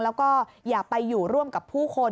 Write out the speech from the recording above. แล้วก็อย่าไปอยู่ร่วมกับผู้คน